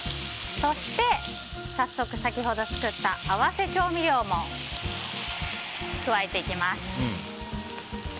そして、早速先ほど作った合わせ調味料も加えていきます。